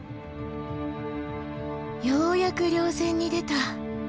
ようやく稜線に出た。